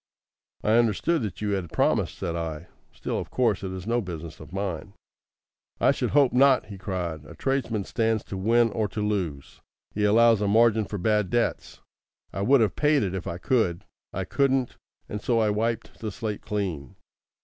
"I understood that you had promised," said I. "Still, of course, it is no business of mine." "I should hope not," he cried. "A tradesman stands to win or to lose. He allows a margin for bad debts. I would have paid it if I could. I couldn't, and so I wiped the slate clean.